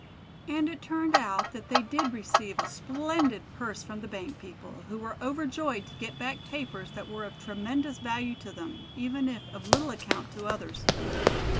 And it turned out that they did receive a splendid purse from the bank people, who were overjoyed to get back papers that were of tremendous value to them, even if of little account to others.